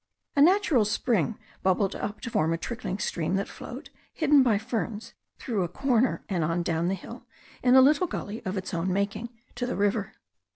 A natural spring bubbled up to form a trickling stream that flowed, hidden by ferns, through a corner and on down the hill in a little gully of its own making to the river.